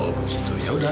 oh gitu yaudah